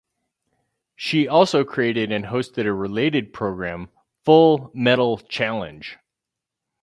She also created and hosted a related programme, "Full Metal Challenge".